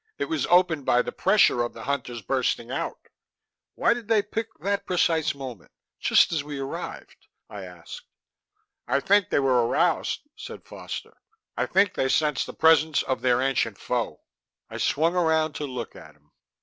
It was opened by the pressure of the Hunters bursting out." "Why did they pick that precise moment just as we arrived?" I asked. "I think they were aroused," said Foster. "I think they sensed the presence of their ancient foe." I swung around to look at him.